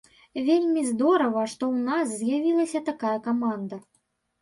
Вельмі здорава, што ў нас з'явілася такая каманда.